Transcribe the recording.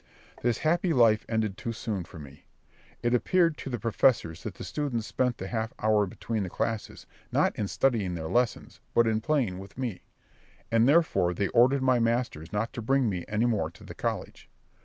This happy life ended too soon for me. It appeared to the professors that the students spent the half hour between the classes not in studying their lessons, but in playing with me; and therefore they ordered my masters not to bring me any more to the college.